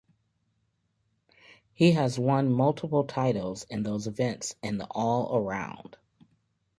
He has won multiple titles in those events and the All Around.